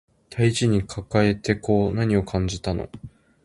大事に抱えてこう何を感じたの